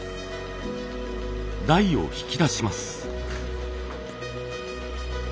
台を引き出します。